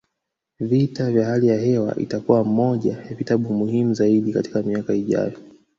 Vita vya hali ya hewa itakuwa moja ya vitabu muhimu zaidi katika miaka ijayo